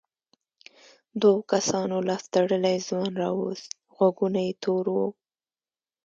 دوو کسانو لاس تړلی ځوان راووست غوږونه یې تور وو.